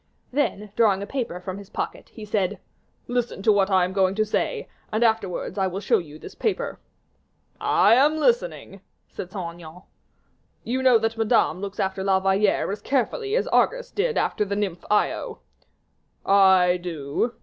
Then, drawing a paper from his pocket, he said, "Listen to what I am going to say; and afterwards, I will show you this paper." "I am listening," said Saint Aignan. "You know that Madame looks after La Valliere as carefully as Argus did after the nymph Io." "I do."